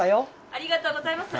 ありがとうございます